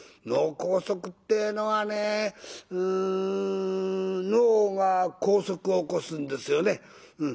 脳梗塞ってのはねうん脳が梗塞を起こすんですよね。